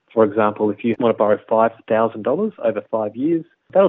misalnya jika anda ingin membayar lima dalam lima tahun